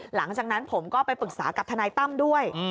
หลังจากนั้นผมก็ไปปรึกษากับทนายตั้มด้วย